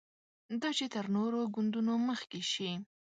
دا چې تر نورو ګوندونو مخکې شي.